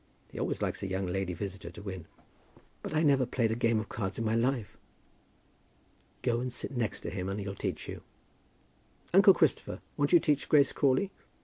He always likes a young lady visitor to win." "But I never played a game of cards in my life." "Go and sit next to him and he'll teach you. Uncle Christopher, won't you teach Grace Crawley?